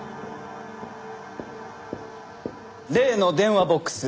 例の電話ボックス